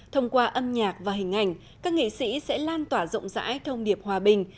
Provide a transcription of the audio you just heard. thông qua âm nhạc và hình ảnh các nghệ sĩ sẽ lan tỏa rộng rãi thông điệp hòa bình